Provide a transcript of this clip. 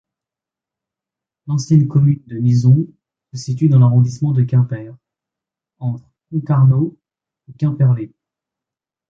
L'ancienne commune de Nizon se situe dans l'arrondissement de Quimper, entre Concarneau et Quimperlé.